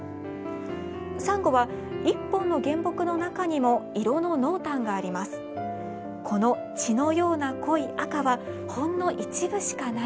サンゴは１本の原木の中にも色の濃淡があります。